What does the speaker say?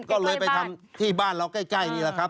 ก็เลยไปทำที่บ้านเราใกล้นี่แหละครับ